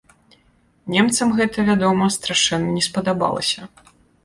Немцам гэта, вядома, страшэнна не спадабалася.